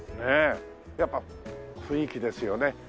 やっぱ雰囲気ですよね。